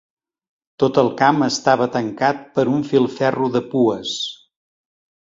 Tot el camp estava tancat per un filferro de pues.